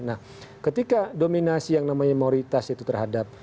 nah ketika dominasi yang namanya moritas itu terhadap